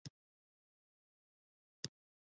د سمې لارې نښه روښانه ده.